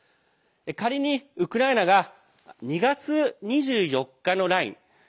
仮に、ウクライナが２月２４日のライン。